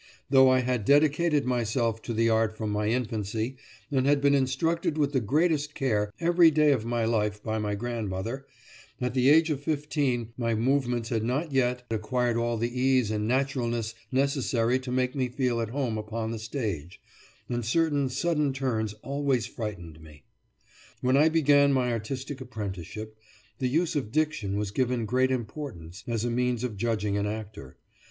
Though I had dedicated myself to the art from my infancy and had been instructed with the greatest care every day of my life by my grandmother, at the age of fifteen my movements had not yet acquired all the ease and naturalness necessary to make me feel at home upon the stage, and certain sudden turns always frightened me. When I began my artistic apprenticeship, the use of diction was given great importance, as a means of judging an actor.